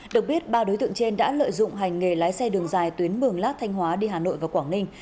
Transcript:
được biết ba đối tượng trên đã lợi dụng hành nghề lái xe đường dài tuyến mường lát thanh hóa đi hà nội và quảng ninh